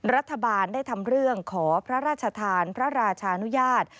รัฐบาลได้ทำเรื่องขอพระราชทานพระราชานุญาต